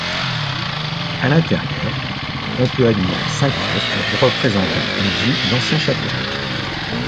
À l'intérieur, on peut admirer cinq fresques représentant une vue d'anciens châteaux.